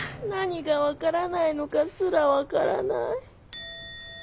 何が分からないのかすら分からない。